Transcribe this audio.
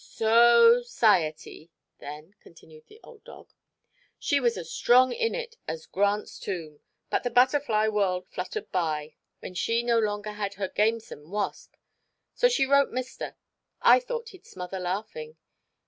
"So ciety then," continued the old dog. "She was as strong in it as Grant's tomb, but the butterfly world fluttered by, when she no longer had her gamesome wasp. So she wrote mister. I thought he'd smother laughing.